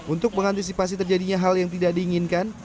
untuk mengantisipasi terjadinya hal yang tidak diinginkan